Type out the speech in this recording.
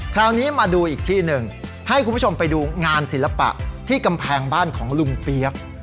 คราวนี้มาดูอีกที่หนึ่งให้คุณผู้ชมไปดูงานศิลปะที่กำแพงบ้านของลุงเปี๊ยก